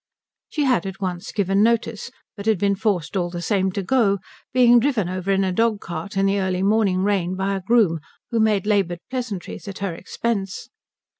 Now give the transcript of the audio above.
She had at once given notice, but had been forced all the same to go, being driven over in a dog cart in the early morning rain by a groom who made laboured pleasantries at her expense.